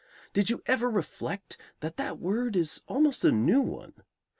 Did you ever reflect that that word is almost a new one?